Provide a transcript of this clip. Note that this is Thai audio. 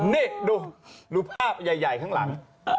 นี่ดูภาพใหญ่ข้างหลัง